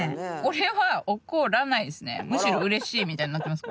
むしろうれしいみたいになってます